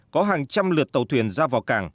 có hàng trăm lượt tàu thuyền ra vào cảng